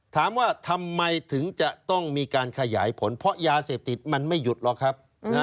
ถามว่าทำไมถึงจะต้องมีการขยายผลเพราะยาเสพติดมันไม่หยุดหรอกครับ